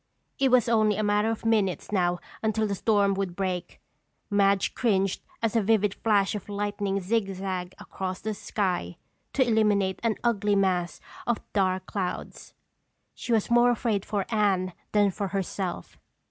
It was only a matter of minutes now until the storm would break. Madge cringed as a vivid flash of lightning zigzagged across the sky to illuminate an ugly mass of dark clouds. She was more afraid for Anne than for herself.